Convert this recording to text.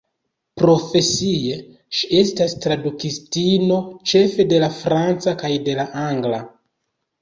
Profesie ŝi estas tradukistino, ĉefe de la franca kaj de la angla.